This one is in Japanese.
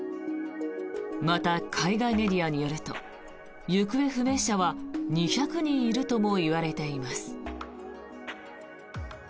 また、海外メディアによると行方不明者は２００人いるともいわれています。